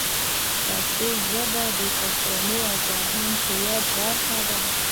پښتو ژبه د افغانانو د فرهنګ او هویت برخه ده.